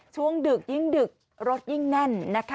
ดึกยิ่งดึกรถยิ่งแน่นนะคะ